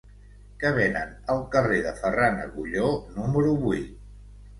Què venen al carrer de Ferran Agulló número vuit?